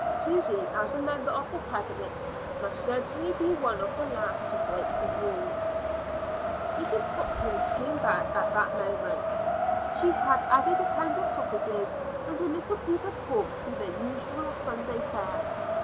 Susy, as a member of the Cabinet, must certainly be one of the last to break the rules. Mrs. Hopkins came back at that moment. She had added a pound of sausage and a little piece of pork to their usual Sunday fare.